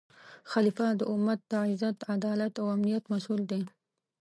خلیفه د امت د عزت، عدالت او امنیت مسؤل دی